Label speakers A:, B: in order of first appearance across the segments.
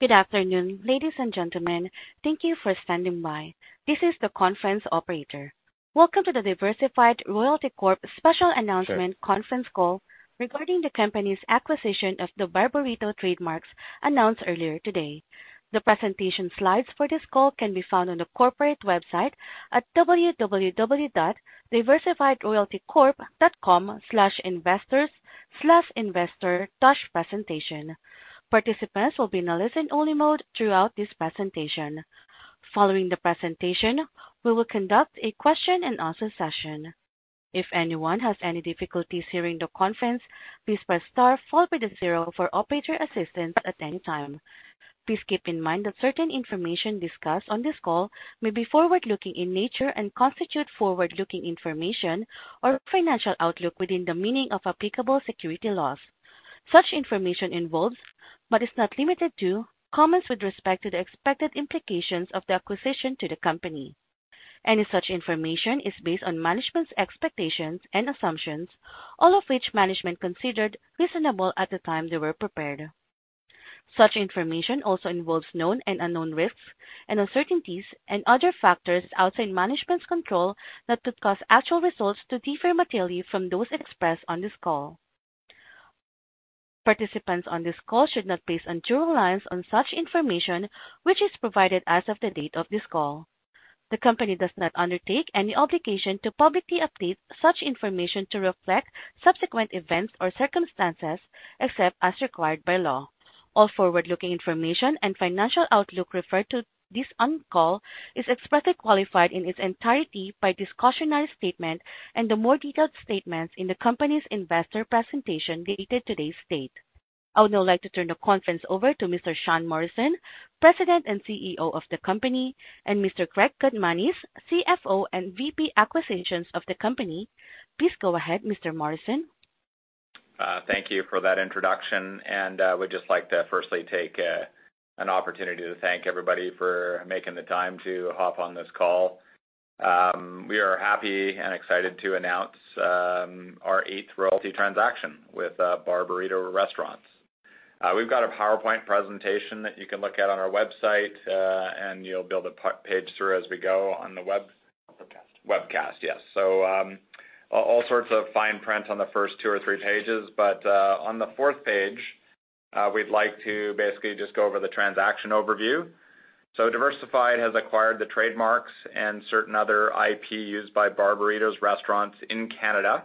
A: Good afternoon, ladies and gentlemen. Thank you for standing by. This is the conference operator. Welcome to the Diversified Royalty Corp special announcement conference call regarding the company's acquisition of the BarBurrito trademarks announced earlier today. The presentation slides for this call can be found on the corporate website at www.diversifiedroyaltycorp.com/investors/investor-presentation. Participants will be in a listen-only mode throughout this presentation. Following the presentation, we will conduct a question and answer session. If anyone has any difficulties hearing the conference, please press star followed by the 0 for operator assistance at any time. Please keep in mind that certain information discussed on this call may be forward-looking in nature and constitute forward-looking information or financial outlook within the meaning of applicable security laws. Such information involves, but is not limited to, comments with respect to the expected implications of the acquisition to the company. Any such information is based on management's expectations and assumptions, all of which management considered reasonable at the time they were prepared. Such information also involves known and unknown risks, uncertainties, and other factors outside management's control that could cause actual results to differ materially from those expressed on this call. Participants on this call should not place undue reliance on such information, which is provided as of the date of this call. The company does not undertake any obligation to publicly update such information to reflect subsequent events or circumstances, except as required by law. All forward-looking information and financial outlook referred to this on call is expressly qualified in its entirety by this cautionary statement and the more detailed statements in the company's investor presentation dated today's date. I would now like to turn the conference over to Mr. Sean Morrison, President and CEO of the company, and Mr. Greg Gutmanis, CFO and VP Acquisitions of the company. Please go ahead, Mr. Morrison.
B: Thank you for that introduction. I would just like to firstly take an opportunity to thank everybody for making the time to hop on this call. We are happy and excited to announce our eighth royalty transaction with BarBurrito restaurants. We've got a PowerPoint presentation that you can look at on our website, and you'll be able to page through as we go on the Webcast. Webcast, yes. All sorts of fine print on the first two or three pages. On the fourth page, we'd like to basically just go over the transaction overview. Diversified has acquired the trademarks and certain other IP used by BarBurrito's restaurants in Canada,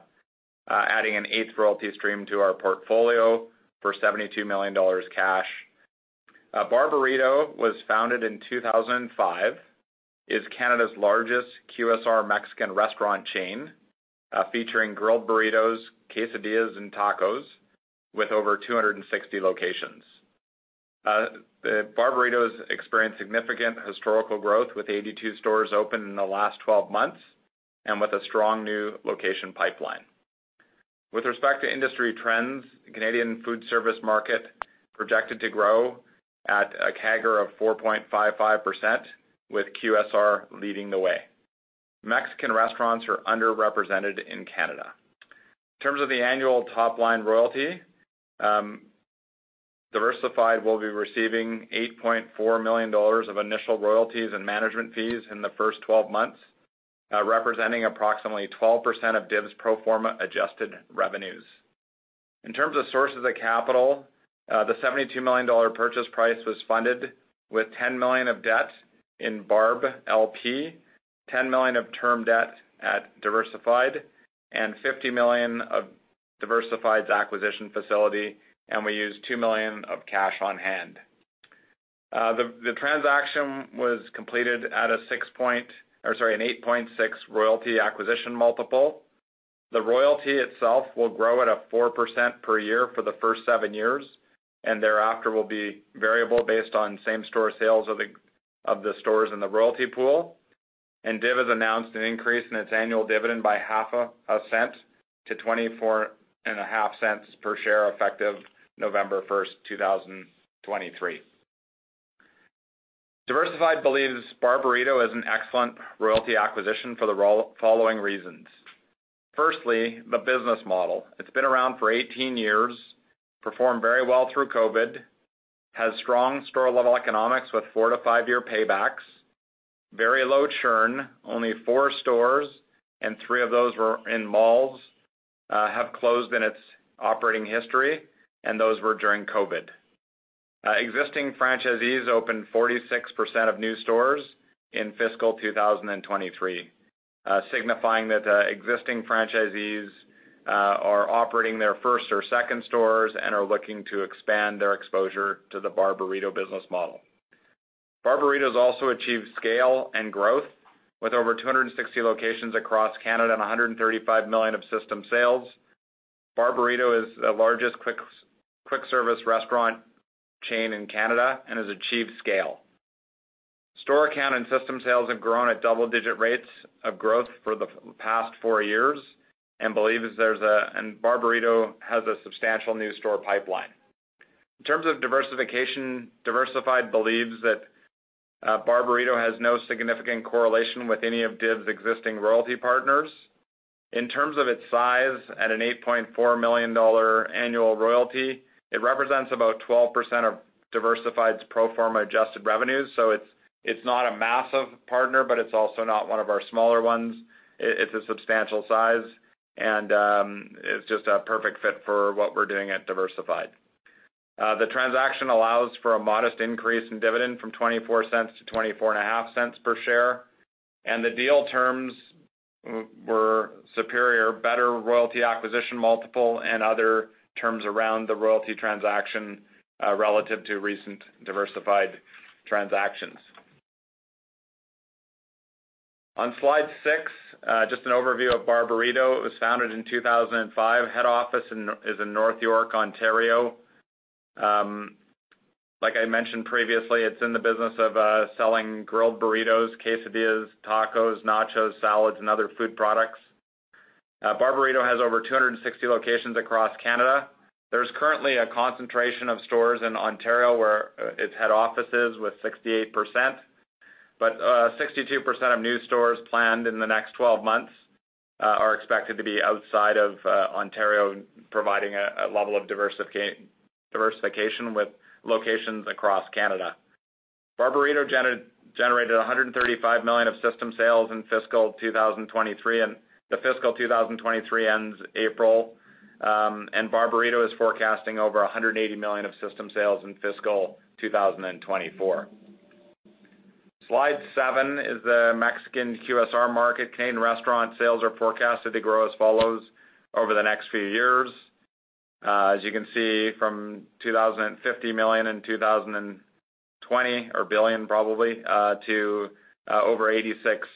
B: adding an eighth royalty stream to our portfolio for 72 million dollars cash. BarBurrito was founded in 2005, is Canada's largest QSR Mexican restaurant chain, featuring grilled burritos, quesadillas, and tacos with over 260 locations. BarBurrito's experienced significant historical growth with 82 stores opened in the last 12 months and with a strong new location pipeline. With respect to industry trends, the Canadian food service market projected to grow at a CAGR of 4.55%, with QSR leading the way. Mexican restaurants are underrepresented in Canada. In terms of the annual top-line royalty, Diversified will be receiving 8.4 million dollars of initial royalties and management fees in the first 12 months, representing approximately 12% of DIV's pro forma Adjusted Revenues. In terms of sources of capital, the 72 million dollar purchase price was funded with 10 million of debt in BARB LP, 10 million of term debt at Diversified, and 50 million of Diversified's acquisition facility, and we used 2 million of cash on hand. The transaction was completed at an 8.6x royalty acquisition multiple. The royalty itself will grow at 4% per year for the first seven years and thereafter will be variable based on same store sales of the stores in the royalty pool. DIV has announced an increase in its annual dividend by CAD 0.005 to 0.245 per share effective November 1, 2023. Diversified believes BarBurrito is an excellent royalty acquisition for the following reasons. Firstly, the business model. It's been around for 18 years, performed very well through COVID, has strong store-level economics with four to five-year paybacks, very low churn, only four stores, and three of those were in malls, have closed in its operating history, and those were during COVID. Existing franchisees opened 46% of new stores in fiscal 2023, signifying that existing franchisees are operating their first or second stores and are looking to expand their exposure to the BarBurrito business model. BarBurrito has also achieved scale and growth with over 260 locations across Canada and 135 million of system sales. BarBurrito is the largest quick service restaurant chain in Canada and has achieved scale. Store count and system sales have grown at double-digit rates of growth for the past four years. BarBurrito has a substantial new store pipeline. In terms of diversification, Diversified believes that BarBurrito has no significant correlation with any of DIV's existing royalty partners. In terms of its size, at a 8.4 million dollar annual royalty, it represents about 12% of Diversified's pro forma Adjusted Revenues. It's not a massive partner, but it's also not one of our smaller ones. It's a substantial size, and it's just a perfect fit for what we're doing at Diversified. The transaction allows for a modest increase in dividend from 0.24 to 0.245 per share. The deal terms were superior, better royalty acquisition multiple and other terms around the royalty transaction, relative to recent Diversified transactions. On slide six, just an overview of BarBurrito. It was founded in 2005. Head office is in North York, Ontario. Like I mentioned previously, it's in the business of selling grilled burritos, quesadillas, tacos, nachos, salads, and other food products. BarBurrito has over 260 locations across Canada. There's currently a concentration of stores in Ontario, where its head office is, with 68%. 62% of new stores planned in the next 12 months are expected to be outside of Ontario, providing a level of diversification with locations across Canada. BarBurrito generated 135 million of system sales in fiscal 2023. The fiscal 2023 ends April, BarBurrito is forecasting over 180 million of system sales in fiscal 2024. slide seven is the Mexican QSR market. Chain restaurant sales are forecasted to grow as follows over the next few years. As you can see, from 2,050 million in 2020, or billion probably, to over 86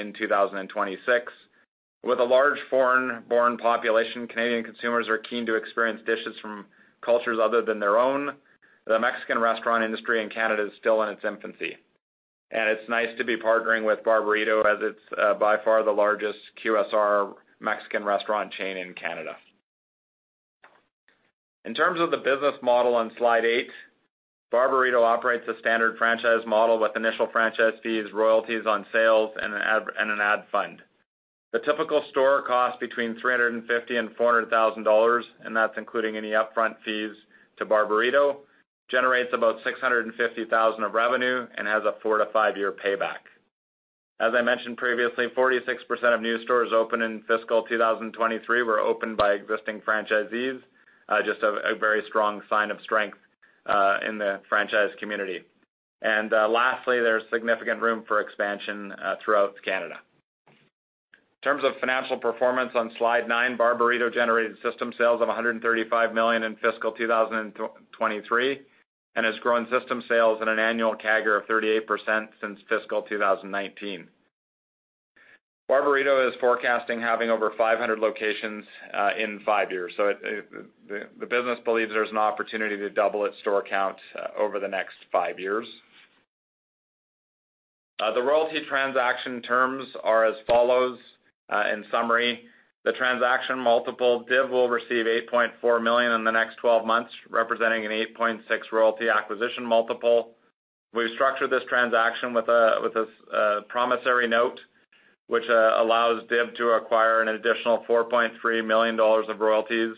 B: in 2026. With a large foreign-born population, Canadian consumers are keen to experience dishes from cultures other than their own. The Mexican restaurant industry in Canada is still in its infancy, and it's nice to be partnering with BarBurrito as it's by far the largest QSR Mexican restaurant chain in Canada. In terms of the business model on slide eight, BarBurrito operates a standard franchise model with initial franchise fees, royalties on sales, and an ad fund. The typical store costs between 350,000 and 400,000 dollars, that's including any upfront fees to BarBurrito, generates about 650,000 of revenue and has a four- to five-year payback. As I mentioned previously, 46% of new stores opened in fiscal 2023 were opened by existing franchisees. Just a very strong sign of strength in the franchise community. Lastly, there's significant room for expansion throughout Canada. In terms of financial performance on slide nine, BarBurrito generated system sales of 135 million in fiscal 2023 and has grown system sales at an annual CAGR of 38% since fiscal 2019. BarBurrito is forecasting having over 500 locations in five years, so the business believes there's an opportunity to double its store count over the next five years. The royalty transaction terms are as follows. In summary, the transaction multiple, DIV will receive 8.4 million in the next 12 months, representing an 8.6x royalty acquisition multiple. We structured this transaction with a promissory note, which allows DIV to acquire an additional 4.3 million dollars of royalties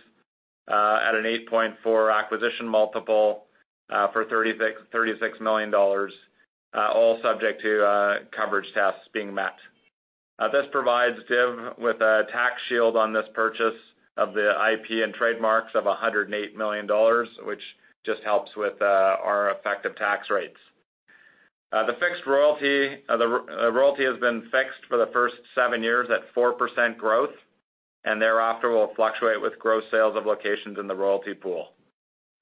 B: at an 8.4x acquisition multiple for 36 million dollars, all subject to coverage tests being met. This provides DIV with a tax shield on this purchase of the IP and trademarks of 108 million dollars, which just helps with our effective tax rates. The royalty has been fixed for the first seven years at 4% growth, and thereafter will fluctuate with gross sales of locations in the royalty pool.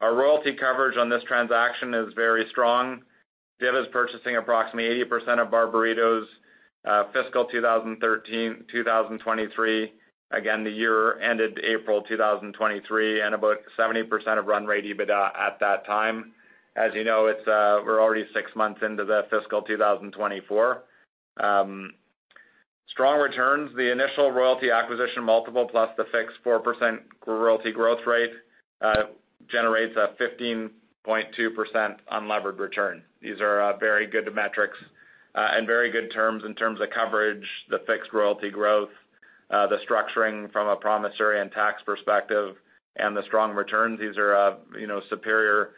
B: Our royalty coverage on this transaction is very strong. DIV is purchasing approximately 80% of BarBurrito's fiscal 2023, again, the year ended April 2023, and about 70% of run rate EBITDA at that time. As you know, we're already six months into the fiscal 2024. Strong returns. The initial royalty acquisition multiple plus the fixed 4% royalty growth rate generates a 15.2% unlevered return. These are very good metrics and very good terms in terms of coverage, the fixed royalty growth, the structuring from a promissory and tax perspective, and the strong returns. These are superior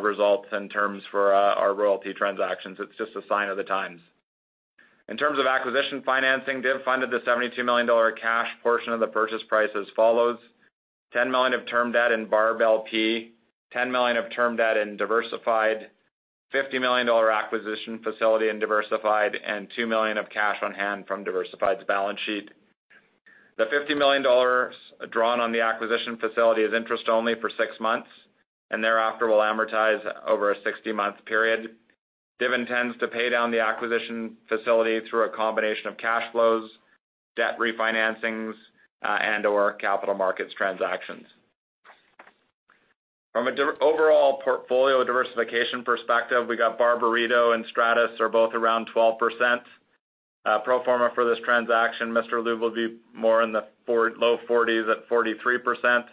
B: results in terms for our royalty transactions. It's just a sign of the times. In terms of acquisition financing, DIV funded the 72 million dollar cash portion of the purchase price as follows. 10 million of term debt in Barb LP, 10 million of term debt in Diversified, 50 million dollar acquisition facility in Diversified, and 2 million of cash on hand from Diversified's balance sheet. The 50 million dollars drawn on the acquisition facility is interest only for six months, and thereafter will amortize over a 60-month period. DIV intends to pay down the acquisition facility through a combination of cash flows, debt refinancings, and/or capital markets transactions. From an overall portfolio diversification perspective, we got BarBurrito and Stratus are both around 12%. Pro forma for this transaction, Mr. Lube will be more in the low 40s at 43%,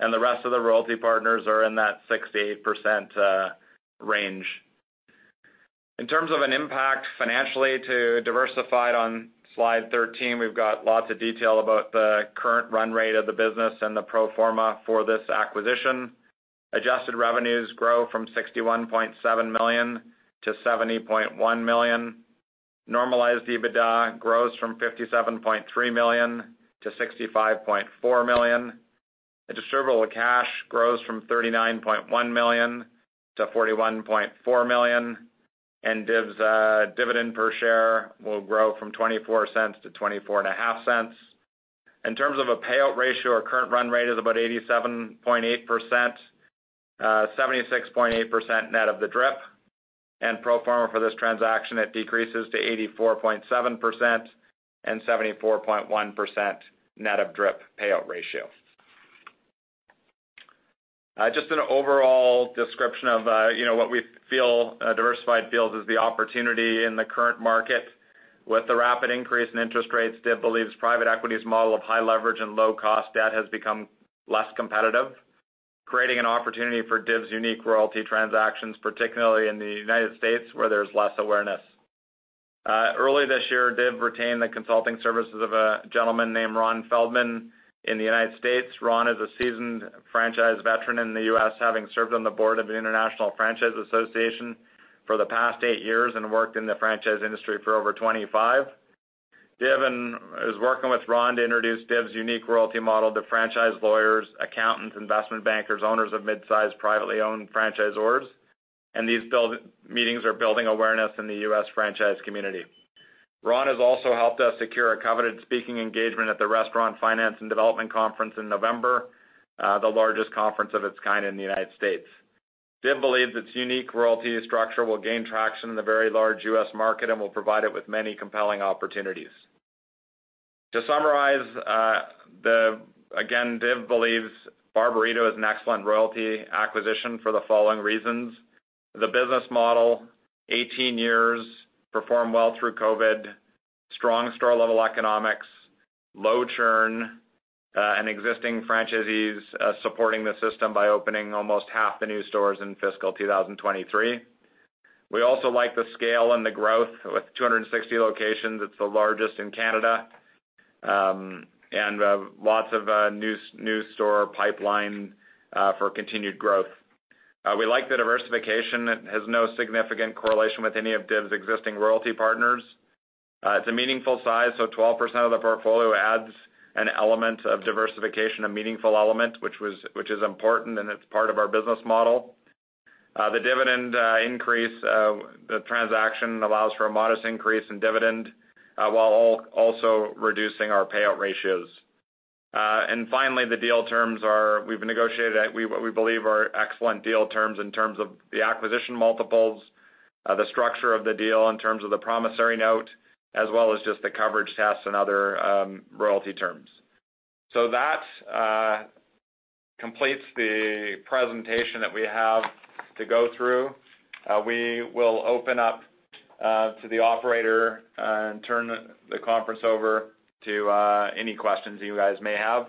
B: and the rest of the royalty partners are in that 6%-8% range. In terms of an impact financially to Diversified, on slide 13, we've got lots of detail about the current run rate of the business and the pro forma for this acquisition. Adjusted Revenue grows from 61.7 million to 70.1 million. Normalized EBITDA grows from 57.3 million to 65.4 million. The Distributable Cash grows from 39.1 million to 41.4 million. DIV's dividend per share will grow from 0.24 to 0.245. In terms of a payout ratio, our current run rate is about 87.8%, 76.8% net of the DRIP. Pro forma for this transaction, it decreases to 84.7% and 74.1% net of DRIP payout ratio. Just an overall description of what Diversified feels is the opportunity in the current market. With the rapid increase in interest rates, DIV believes private equity's model of high leverage and low-cost debt has become less competitive, creating an opportunity for DIV's unique royalty transactions, particularly in the U.S., where there's less awareness. Early this year, DIV retained the consulting services of a gentleman named Ron Feldman in the U.S. Ron is a seasoned franchise veteran in the U.S., having served on the board of the International Franchise Association for the past eight years and worked in the franchise industry for over 25. DIV is working with Ron to introduce DIV's unique royalty model to franchise lawyers, accountants, investment bankers, owners of mid-sized privately owned franchisors, and these meetings are building awareness in the U.S. franchise community. Ron has also helped us secure a coveted speaking engagement at the Restaurant Finance and Development Conference in November, the largest conference of its kind in the U.S. DIV believes its unique royalty structure will gain traction in the very large U.S. market and will provide it with many compelling opportunities. To summarize, again, DIV believes BarBurrito is an excellent royalty acquisition for the following reasons: the business model, 18 years, performed well through COVID, strong store-level economics, low churn, and existing franchisees supporting the system by opening almost half the new stores in fiscal 2023. We also like the scale and the growth. With 260 locations, it's the largest in Canada, and lots of new store pipeline for continued growth. We like the diversification. It has no significant correlation with any of DIV's existing royalty partners. It's a meaningful size, so 12% of the portfolio adds an element of diversification, a meaningful element, which is important, and it's part of our business model. The dividend increase. The transaction allows for a modest increase in dividend while also reducing our payout ratios. Finally, the deal terms are, we've negotiated what we believe are excellent deal terms in terms of the acquisition multiples, the structure of the deal in terms of the promissory note, as well as just the coverage tests and other royalty terms. That completes the presentation that we have to go through. We will open up to the operator and turn the conference over to any questions that you guys may have.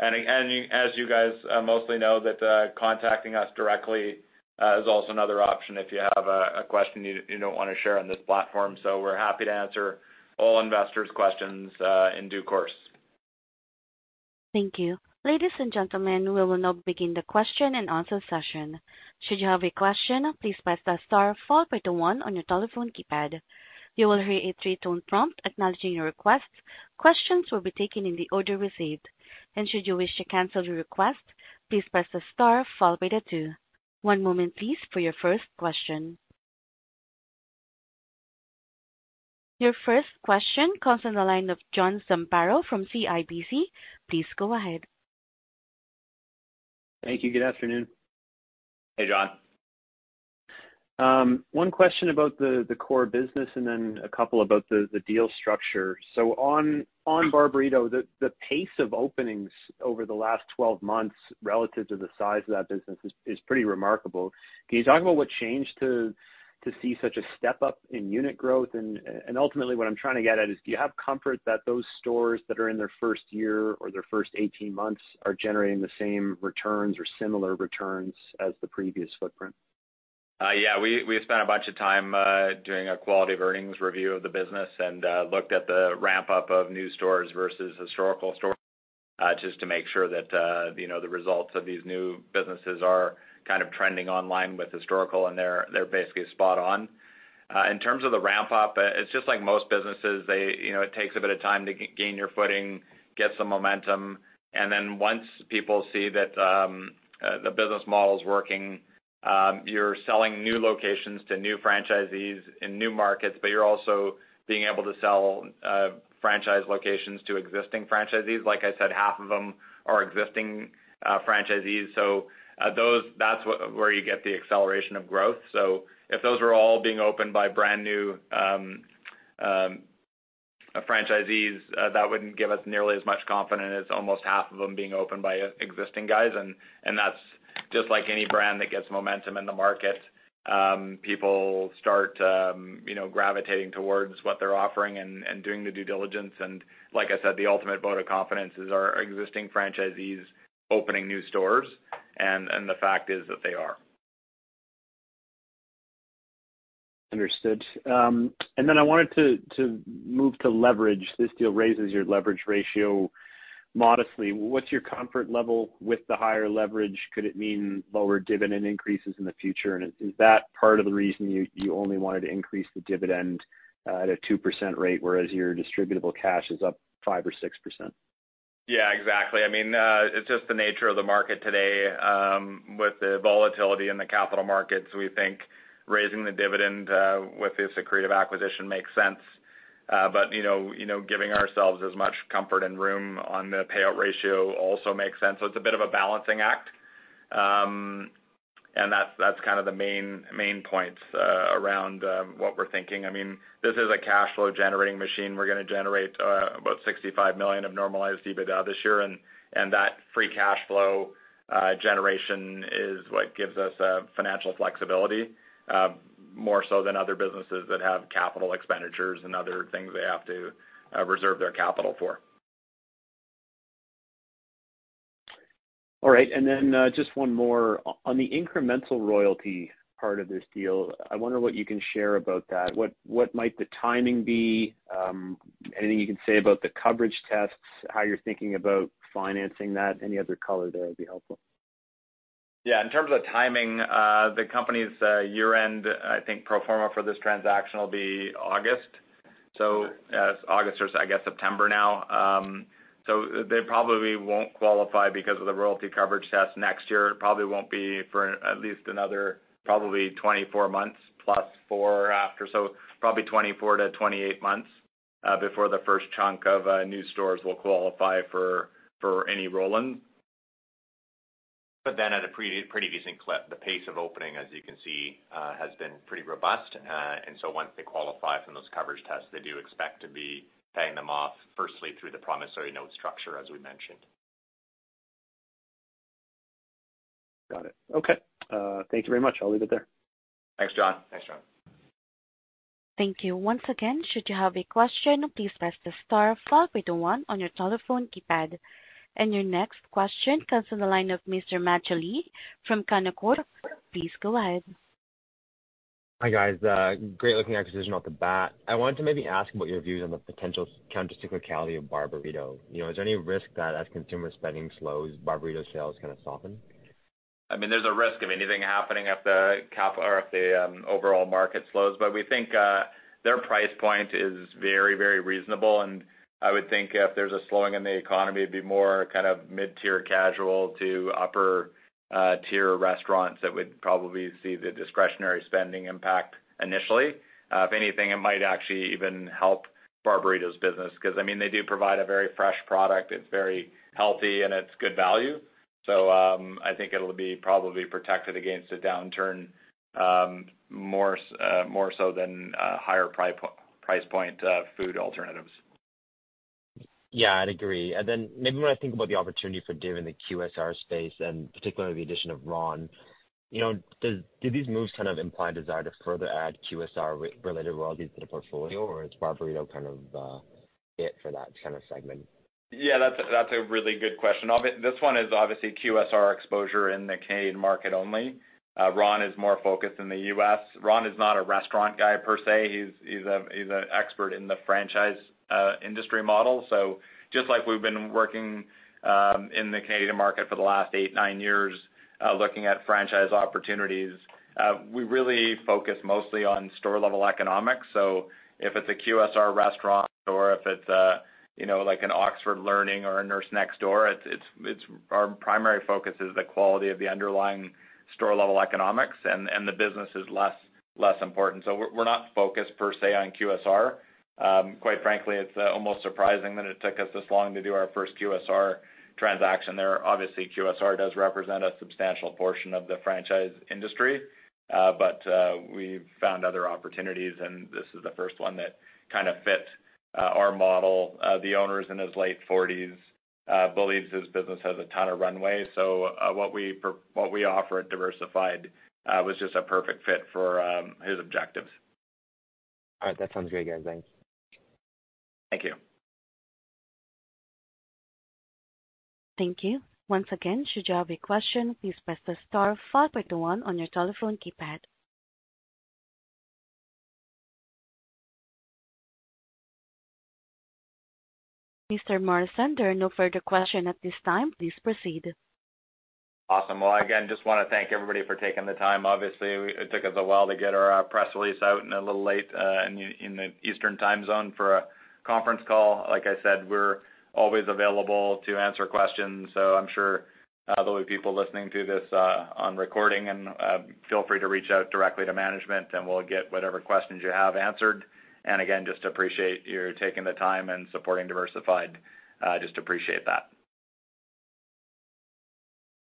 B: As you guys mostly know, that contacting us directly is also another option if you have a question you don't want to share on this platform. We're happy to answer all investors' questions in due course.
A: Thank you. Ladies and gentlemen, we will now begin the question and answer session. Should you have a question, please press star followed by the one on your telephone keypad. You will hear a three-tone prompt acknowledging your request. Questions will be taken in the order received. Should you wish to cancel your request, please press star followed by the two. One moment please for your first question. Your first question comes on the line of John Zamparo from CIBC. Please go ahead.
C: Thank you. Good afternoon.
B: Hey, John.
C: One question about the core business and then a couple about the deal structure. On BarBurrito, the pace of openings over the last 12 months relative to the size of that business is pretty remarkable. Can you talk about what changed to see such a step-up in unit growth? Ultimately what I'm trying to get at is, do you have comfort that those stores that are in their first year or their first 18 months are generating the same returns or similar returns as the previous footprint?
B: Yeah. We spent a bunch of time doing a quality of earnings review of the business and looked at the ramp-up of new stores versus historical stores just to make sure that the results of these new businesses are kind of trending online with historical, and they're basically spot on. In terms of the ramp-up, it's just like most businesses. It takes a bit of time to gain your footing, get some momentum, and then once people see that the business model is working, you're selling new locations to new franchisees in new markets, but you're also being able to sell franchise locations to existing franchisees. Like I said, half of them are existing franchisees. That's where you get the acceleration of growth. If those were all being opened by brand new franchisees, that wouldn't give us nearly as much confidence as almost half of them being opened by existing guys. That's just like any brand that gets momentum in the market, people start gravitating towards what they're offering and doing the due diligence. Like I said, the ultimate vote of confidence is our existing franchisees opening new stores, and the fact is that they are.
C: Understood. Then I wanted to move to leverage. This deal raises your leverage ratio modestly. What's your comfort level with the higher leverage? Could it mean lower dividend increases in the future? Is that part of the reason you only wanted to increase the dividend at a 2% rate, whereas your distributable cash is up 5% or 6%?
B: Exactly. It's just the nature of the market today. With the volatility in the capital markets, we think raising the dividend with the accretive acquisition makes sense. Giving ourselves as much comfort and room on the payout ratio also makes sense. It's a bit of a balancing act. That's kind of the main points around what we're thinking. This is a cash flow generating machine. We're going to generate about 65 million of Normalized EBITDA this year, and that free cash flow generation is what gives us financial flexibility, more so than other businesses that have capital expenditures and other things they have to reserve their capital for.
C: All right. Just one more. On the incremental royalty part of this deal, I wonder what you can share about that. What might the timing be? Anything you can say about the coverage tests, how you're thinking about financing that, any other color there would be helpful.
B: In terms of timing, the company's year-end, I think pro forma for this transaction will be August. As August or, I guess September now. They probably won't qualify because of the royalty coverage test next year. It probably won't be for at least another probably 24 months plus four after. Probably 24 to 28 months, before the first chunk of new stores will qualify for any roll-in. At a pretty decent clip, the pace of opening, as you can see, has been pretty robust. Once they qualify from those coverage tests, they do expect to be paying them off firstly through the promissory note structure, as we mentioned.
C: Got it. Okay. Thank you very much. I'll leave it there.
B: Thanks, John.
A: Thank you. Once again, should you have a question, please press the star followed by the one on your telephone keypad. Your next question comes from the line of Mr. Matthew Lee from Canaccord. Please go ahead.
D: Hi, guys. Great looking acquisition off the bat. I wanted to maybe ask about your views on the potential countercyclicality of BarBurrito. Is there any risk that as consumer spending slows, BarBurrito sales kind of soften?
B: There's a risk of anything happening if the overall market slows. We think their price point is very reasonable, and I would think if there's a slowing in the economy, it'd be more kind of mid-tier casual to upper-tier restaurants that would probably see the discretionary spending impact initially. If anything, it might actually even help BarBurrito's business because they do provide a very fresh product, it's very healthy, and it's good value. I think it'll be probably protected against a downturn more so than higher price point food alternatives.
D: I'd agree. Maybe when I think about the opportunity for doing the QSR space, and particularly the addition of Ron, do these moves kind of imply a desire to further add QSR-related royalties to the portfolio, or is BarBurrito kind of it for that kind of segment?
B: That's a really good question. This one is obviously QSR exposure in the Canadian market only. Ron is more focused in the U.S. Ron is not a restaurant guy per se. He's an expert in the franchise industry model. Just like we've been working in the Canadian market for the last eight, nine years, looking at franchise opportunities, we really focus mostly on store-level economics. If it's a QSR restaurant or if it's an Oxford Learning or a Nurse Next Door, our primary focus is the quality of the underlying store-level economics, and the business is less important. We're not focused per se on QSR. Quite frankly, it's almost surprising that it took us this long to do our first QSR transaction. Obviously, QSR does represent a substantial portion of the franchise industry, we've found other opportunities, and this is the first one that kind of fit our model. The owner's in his late 40s, believes his business has a ton of runway. What we offer at Diversified was just a perfect fit for his objectives.
D: All right. That sounds great, guys. Thanks.
B: Thank you.
A: Thank you. Once again, should you have a question, please press the star followed by the one on your telephone keypad. Mr. Morrison, there are no further question at this time. Please proceed.
B: Awesome. Well, again, just want to thank everybody for taking the time. Obviously, it took us a while to get our press release out and a little late in the Eastern Time zone for a conference call. Like I said, we're always available to answer questions, so I'm sure there'll be people listening to this on recording, and feel free to reach out directly to management and we'll get whatever questions you have answered. Again, just appreciate your taking the time and supporting Diversified. Just appreciate that.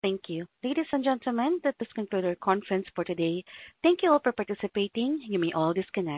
A: Thank you. Ladies and gentlemen, that does conclude our conference for today. Thank you all for participating. You may all disconnect.